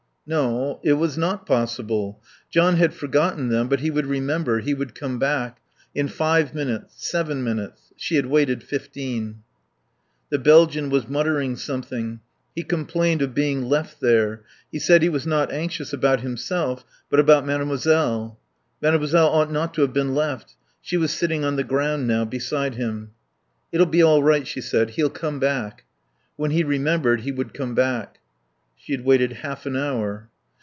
No, it was not possible. John had forgotten them; but he would remember; he would come back. In five minutes. Seven minutes. She had waited fifteen. The Belgian was muttering something. He complained of being left there. He said he was not anxious about himself, but about Mademoiselle. Mademoiselle ought not to have been left. She was sitting on the ground now, beside him. "It'll be all right," she said. "He'll come back." When he remembered he would come back. She had waited half an hour.